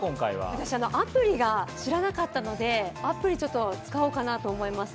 私、アプリ知らなかったので、アプリ使おうと思います。